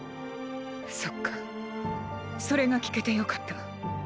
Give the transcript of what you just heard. そっかそれが聞けてよかった。